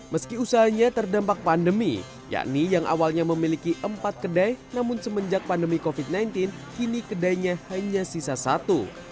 meski usahanya terdampak pandemi yakni yang awalnya memiliki empat kedai namun semenjak pandemi covid sembilan belas kini kedainya hanya sisa satu